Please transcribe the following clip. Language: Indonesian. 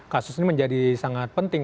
kasus ini menjadi sangat penting